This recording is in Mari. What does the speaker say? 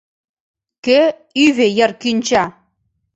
КӦ ӰВӦ ЙЫР КӰНЧА?